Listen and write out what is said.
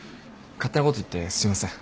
勝手なこと言ってすいません。